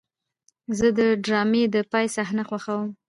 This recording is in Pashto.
زه د ډرامې د پای صحنه خوښوم.